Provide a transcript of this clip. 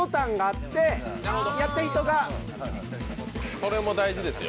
それも大事ですよ。